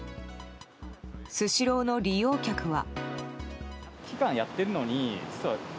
スシローの利用客は。